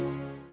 aku mau kemana